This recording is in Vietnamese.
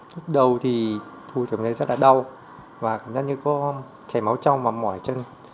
trước đầu thì tôi cảm thấy rất là đau và cảm giác như có chảy máu trong và mỏi chân